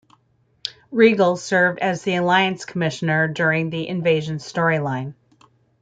Regal served as The Alliance Commissioner during the Invasion storyline.